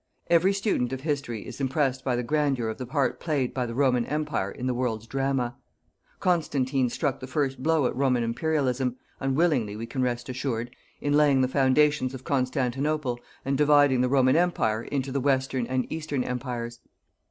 Every student of History is impressed by the grandeur of the part played by the Roman Empire in the world's drama. Constantine struck the first blow at Roman Imperialism unwillingly we can rest assured in laying the foundations of Constantinople, and dividing the Roman Empire into the Western and Eastern Empires.